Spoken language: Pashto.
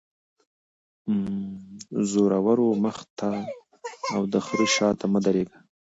- د زورور مخ ته او دخره شاته مه تیریږه.